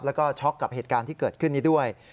แล้วก็ช็อกกับเหตุการณ์ที่เกิดขึ้นนี้ด้วย